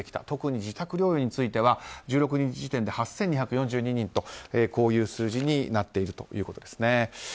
特に自宅療養については１６日時点で８２４２人とこういう数字になっているということですね。